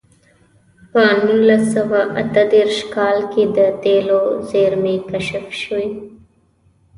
په نولس سوه اته دېرش کال کې د تېلو زېرمې کشف شوې.